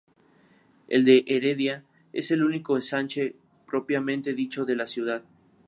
El de Heredia es el único ensanche propiamente dicho de la ciudad.